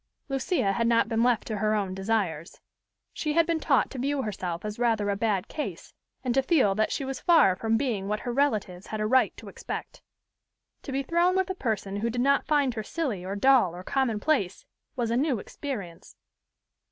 Lucia had not been left to her own desires. She had been taught to view herself as rather a bad case, and to feel that she was far from being what her relatives had a right to expect. To be thrown with a person who did not find her silly or dull or commonplace, was a new experience.